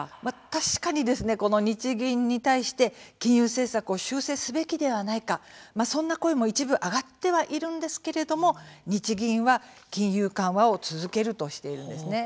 確かに、日銀に対して金融政策を修正すべきではないかそんな声も、一部上がってはいるんですけれども日銀は、金融緩和を続けるとしているんですね。